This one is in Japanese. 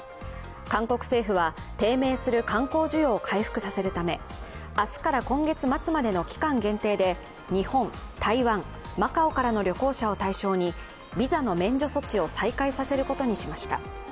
韓国政府は、低迷する観光需要を回復させるため、明日から今月末までの期間限定で、日本、台湾、マカオからの旅行者を対象にビザの免除措置を再開させることにしました。